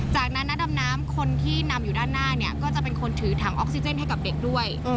จากนั้นนักดำน้ำคนที่นำอยู่ด้านหน้าเนี่ยก็จะเป็นคนถือถังออกซิเจนให้กับเด็กด้วย